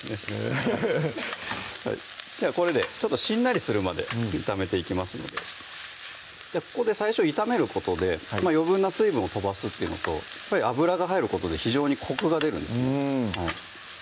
フフフッではこれでしんなりするまで炒めていきますのでここで最初炒めることで余分な水分を飛ばすっていうのと油が入ることで非常にコクが出るんですね